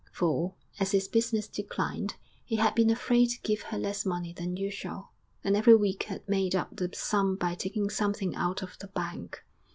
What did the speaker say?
For, as his business declined, he had been afraid to give her less money than usual, and every week had made up the sum by taking something out of the bank.